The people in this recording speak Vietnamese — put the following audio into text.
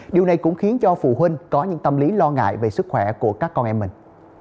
điều này cũng khiến cho phụ huynh có những tâm lý lo ngại về sức khỏe của các con em mình